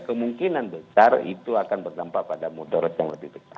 kemungkinan besar itu akan berdampak pada mudarat yang lebih besar